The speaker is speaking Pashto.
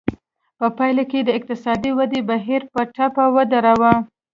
په پایله کې د اقتصادي ودې بهیر په ټپه ودراوه.